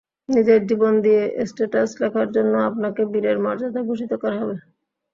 নিজের জীবন দিয়ে স্ট্যাটাস লেখার জন্য আপনাকে বীরের মর্যাদায় ভূষিত করা হবে।